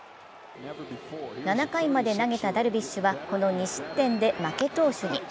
７回まで投げたダルビッシュはこの２失点で負け投手に。